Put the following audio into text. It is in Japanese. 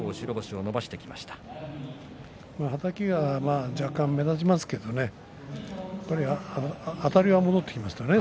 はたきが若干目立ちますけれどもね。